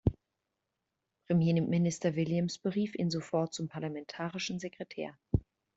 Premierminister Williams berief ihn sofort zum Parlamentarischen Sekretär.